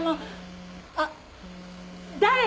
あっ誰よ